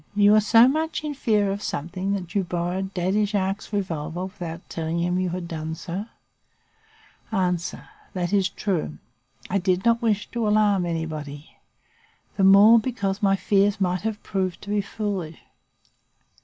You were so much in fear of something that you borrowed Daddy Jacques's revolver without telling him you had done so? "A. That is true. I did not wish to alarm anybody, the more, because my fears might have proved to have been foolish.